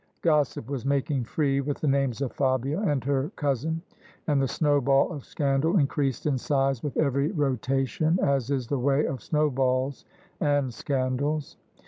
Gossip was making free with the names of Fabia and her cousin; and the snowball of scandal increased in size with every rota tion, as is the way of snowballs and scandals.